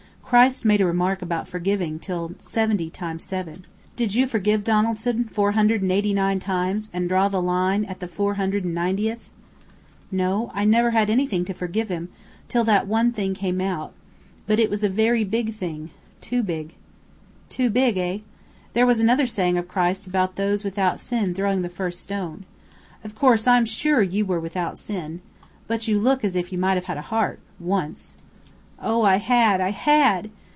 "Christ made a remark about forgiving till seventy times seven. Did you forgive Donaldson four hundred and eighty nine times, and draw the line at the four hundred and ninetieth?" "No, I never had anything to forgive him till that one thing came out. But it was a very big thing. Too big!" "Too big, eh? There was another saying of Christ's about those without sin throwing the first stone. Of course I'm sure you were without sin. But you look as if you might have had a heart once." "Oh, I had, I had!"